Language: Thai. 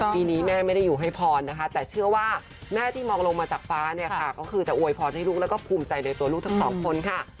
ปีนี้แม่ไม่ได้อยู่ให้พรนะคะแต่เชื่อว่าแม่ที่มองลงมาจากฟ้าเนี่ยค่ะก็คือจะอวยพรให้ลูกแล้วก็ภูมิใจในตัวลูกทั้งสองคนค่ะ